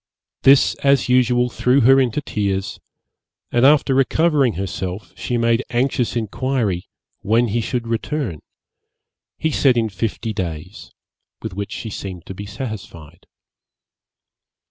This, as usual, threw her into tears, and after recovering herself, she made anxious inquiry when he should return; he said in fifty days, with which she seemed to be satisfied.